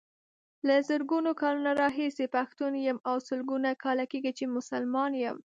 له زرګونو کلونو راهيسې پښتون يم او سلګونو کاله کيږي چې مسلمان يم.